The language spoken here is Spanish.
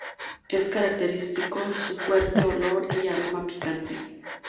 Es característico su fuerte olor y aroma picante.